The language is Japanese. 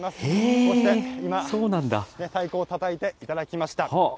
そして今、太鼓をたたいていただきました。